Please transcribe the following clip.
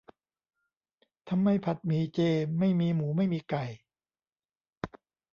ทำไมผัดหมี่เจไม่มีหมูไม่มีไก่ :'